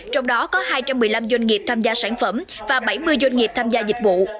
trong đó có hai trăm một mươi năm doanh nghiệp tham gia sản phẩm và bảy mươi doanh nghiệp tham gia dịch vụ